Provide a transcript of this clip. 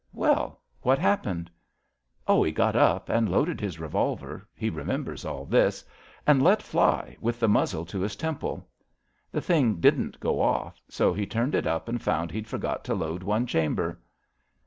'' Well, what happened? ''*' Oh, he got up and loaded his revolver — ^he remembers all this — and let fly, with the muzzle to his temple. The thing didn't go off, so he turned it up and found he'd forgot to load one chamber."